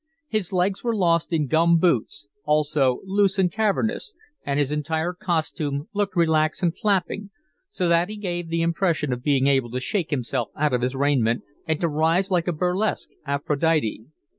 His legs were lost in gum boots, also loose and cavernous, and his entire costume looked relaxed and flapping, so that he gave the impression of being able to shake himself out of his raiment, and to rise like a burlesque Aphrodite.